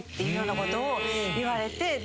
いうようなことを言われて。